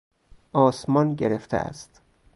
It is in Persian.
آسمان گرفته است.